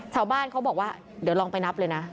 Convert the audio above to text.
ชาวบ้านเขาบอกว่าเดี๋ยวลองไปนับเลยนะ